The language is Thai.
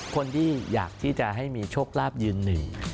คนที่อยากที่จะให้มีโชคลาภยืนหนึ่ง